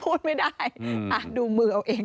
ป้าจะไม่ชมดูเอาเอง